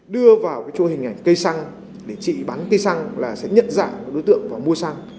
đưa vào cái chỗ hình ảnh cây xăng để chị bắn cây xăng là sẽ nhận dạng đối tượng vào mua xăng